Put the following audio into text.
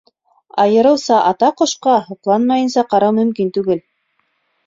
— Айырыуса ата ҡошҡа һоҡланмайынса ҡарау мөмкин түгел.